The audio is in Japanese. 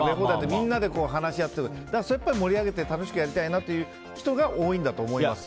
みんなで話し合ってすごい盛り上がって楽しくやりたいなって人が多いんだと思います。